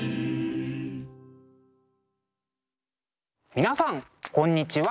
皆さんこんにちは。